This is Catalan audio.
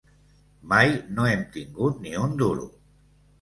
Mai no hem tingut ni un duro!